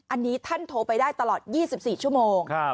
อันนี้ท่านโทรไปได้ตลอด๒๔ชั่วโมง